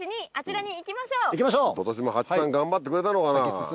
今年もハチさん頑張ってくれたのかな。